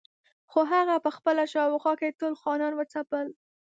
خو هغه په خپله شاوخوا کې ټول خانان وځپل.